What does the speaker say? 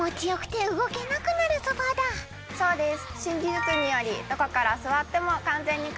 そうです。